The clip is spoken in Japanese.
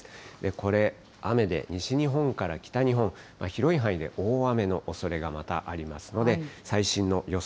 これ、雨で西日本から北日本、広い範囲で大雨のおそれがまたありますので、最新の予想